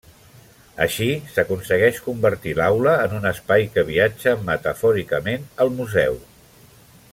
Així, s'aconsegueix convertir l'aula en un espai que viatja, metafòricament, al museu.